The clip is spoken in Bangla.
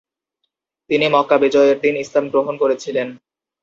তিনি মক্কা বিজয়ের দিন ইসলাম গ্রহণ করেছিলেন।